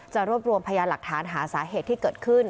รวบรวมพยานหลักฐานหาสาเหตุที่เกิดขึ้น